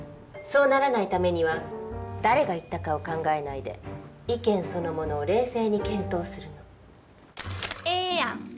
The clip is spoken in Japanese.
そうならないためには誰が言ったかを考えないで意見そのものを冷静に検討するの。